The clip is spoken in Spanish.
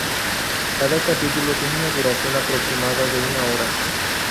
Cada capítulo tiene una duración aproximada de una hora.